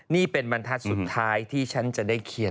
นี่เป็นบรรทัศน์สุดท้ายที่ฉันจะได้เขียน